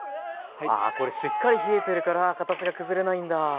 あこれしっかり冷えてるから形が崩れないんだ。